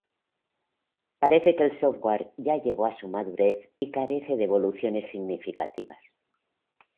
Parece que el software ya llegó a su madurez y carece de evoluciones significativas.